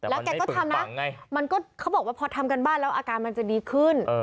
แล้วแกก็ทำนะมันก็เขาบอกว่าพอทำการบ้านแล้วอาการมันจะดีขึ้น